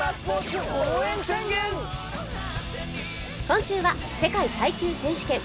今週は世界耐久選手権。